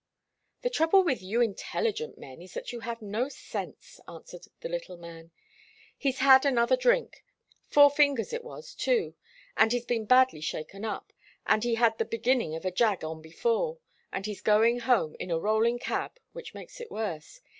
"The trouble with you intelligent men is that you have no sense," answered the little man. "He's had another drink four fingers it was, too and he's been badly shaken up, and he had the beginning of a 'jag' on before, and he's going home in a rolling cab, which makes it worse.